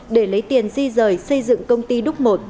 để lấy tiền di rời xây dựng công ty đúc một